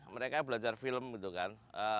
mereka belajar film gitu kan